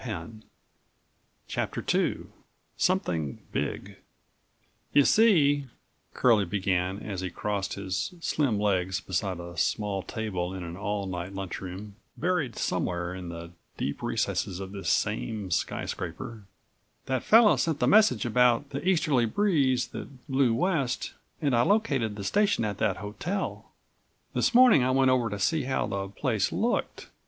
20 CHAPTER IISOMETHING BIG "You see," Curlie began as he crossed his slim legs beside a small table in an all night lunch room, buried somewhere in the deep recesses of this same skyscraper, "that fellow sent the message about the easterly breeze that blew west and I located the station at that hotel. This morning I went over to see how the place looked.